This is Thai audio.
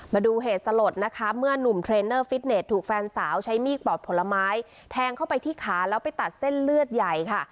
มาดูเหตุสลดนะคะเมื่อนุ่มเทรนเนอร์ฟิตเน็ตถูกแฟนสาวใช้มีดปอกผลไม้แทงเข้าไปที่ขาแล้วไปตัดเส้นเลือดใหญ่ค่ะ